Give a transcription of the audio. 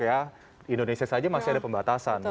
ya indonesia saja masih ada pembatasan